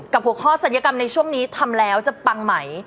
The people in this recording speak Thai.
หัวข้อศัลยกรรมในช่วงนี้ทำแล้วจะปังไหม